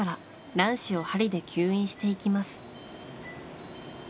卵子を針で吸引していきます。